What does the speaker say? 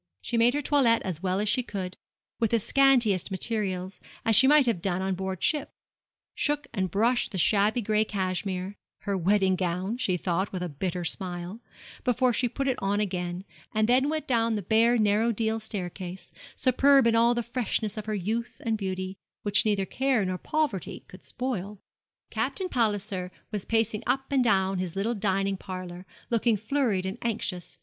She made her toilet as well as she could, with the scantiest materials, as she might have done on board ship; shook and brushed the shabby gray cashmere her wedding gown, she thought, with a bitter smile before she put it on again, and then went down the bare narrow deal staircase, superb in all the freshness of her youth and beauty, which neither care nor poverty could spoil. Captain Palliser was pacing up and down his little dining parlour, looking flurried and anxious.